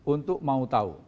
untuk mau tahu